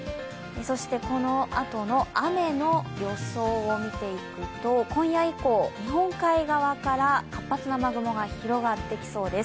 このあとの雨の予想を見ていくと、今夜以降、日本海側から活発な雨雲が広がってきそうです。